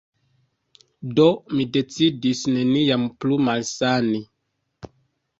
Do, mi decidis neniam plu malsani.